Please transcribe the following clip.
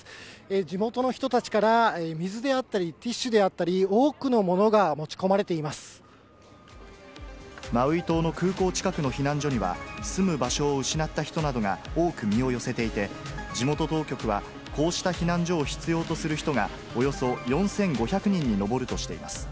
地元の人たちから水であったり、ティッシュであったり、多くのもマウイ島の空港近くの避難所には、住む場所を失った人などが多く身を寄せていて、地元当局は、こうした避難所を必要とする人が、およそ４５００人に上るとしています。